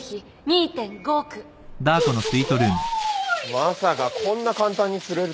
まさかこんな簡単に釣れるとは。